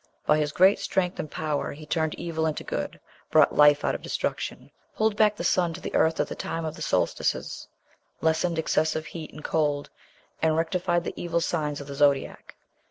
By his great strength and power he turned evil into good, brought life out of destruction, pulled back the sun to the earth at the time of the solstices, lessened excessive heat and cold, and rectified the evil signs of the zodiac.